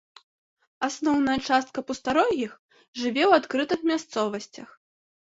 Асноўная частка пустарогіх жыве ў адкрытых мясцовасцях.